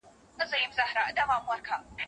د ټولنې درک د ټولو لپاره د مفاهمې لامل کیږي.